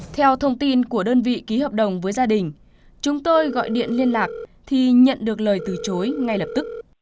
theo thông tin của đơn vị ký hợp đồng với gia đình chúng tôi gọi điện liên lạc thì nhận được lời từ chối ngay lập tức